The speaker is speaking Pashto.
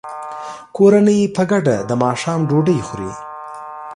کورنۍ په ګډه د ماښام ډوډۍ خوري.